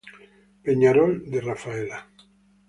Peñarol de Rafaela